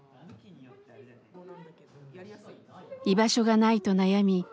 居場所がないと悩み